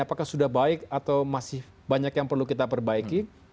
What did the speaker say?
apakah sudah baik atau masih banyak yang perlu kita perbaiki